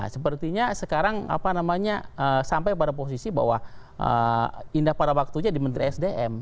sepertinya sekarang apa namanya sampai pada posisi bahwa indah pada waktunya di menteri sdm